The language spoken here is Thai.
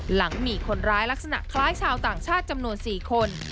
หลังมีคนร้ายลักษณะคล้ายชาวต่างชาติจำนวน๔คน